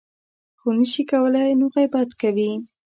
خو نه شي کولی نو غیبت کوي .